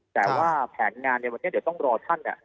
แต่ว่าแผนงานในวันนี้เดี๋ยวต้องรอท่าน